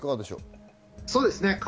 そうですね。